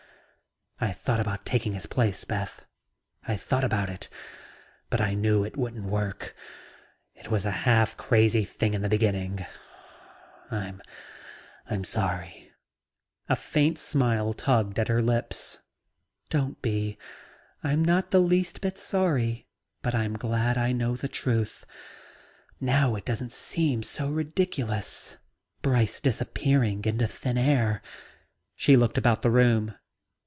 "I thought about taking his place, Beth. I thought about it but I knew it wouldn't work. It was a half crazy thing in the beginning. I ... I'm sorry." A faint smile tugged at her lips. "Don't be. I'm not the least bit sorry, but I'm glad I know the truth. Now it doesn't seem so ridiculous Brice disappearing into thin air." She looked about the room.